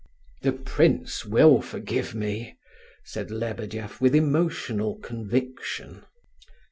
"The prince will forgive me!" said Lebedeff with emotional conviction.